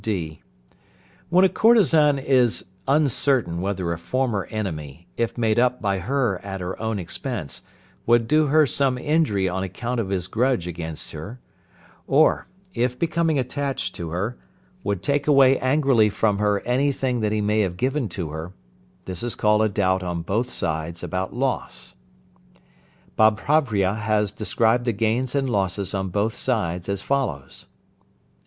(d). When a courtesan is uncertain whether a former enemy, if made up by her at her own expense, would do her some injury on account of his grudge against her; or, if becoming attached to her, would take away angrily from her any thing that he may have given to her, this is called a doubt on both sides about loss. Babhravya has described the gains and losses on both sides as follows.